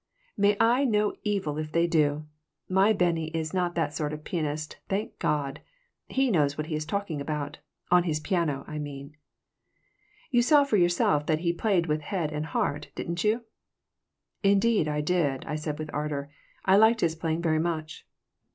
May I know evil if they do. My Bennie is not that sort of a pianist, thank God! He knows what he is talking about on his piano, I mean. You saw for yourself that he played with head and heart, didn't you?" "Indeed, I did," I said, with ardor. "I liked his playing very much."